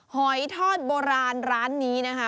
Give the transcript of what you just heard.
หอยทอดโบราณร้านนี้นะคะ